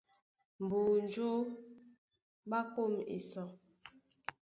Mbonjó ɓá kôm esa,